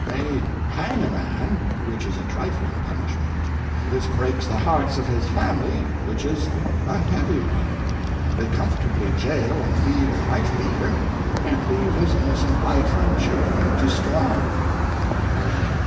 They hang a man—which is a trifling punishment; this breaks the hearts of his family—which is a heavy one. They comfortably jail and feed a wife beater, and leave his innocent wife and family to starve. Y.M.